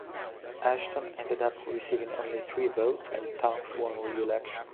Ashton ended up receiving only three votes and Tonks won re-election.